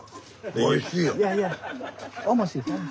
おいしいよ。